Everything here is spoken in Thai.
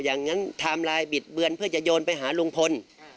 อย่างนั้นทำลายบิดเบือนเพื่อจะโยนไปหาลุงพล